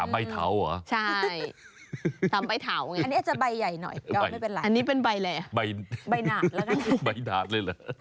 ๓ใบเถาเหรอ